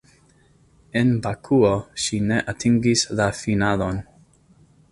En Bakuo ŝi ne atingis la finalon.